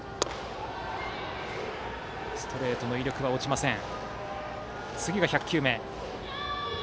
ストレートの威力は落ちません。